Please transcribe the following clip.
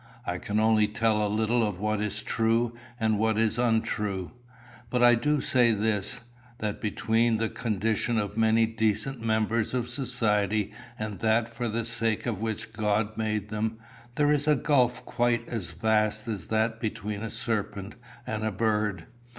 I can only tell a little of what is true and what is untrue. But I do say this, that between the condition of many decent members of society and that for the sake of which God made them, there is a gulf quite as vast as that between a serpent and a bird.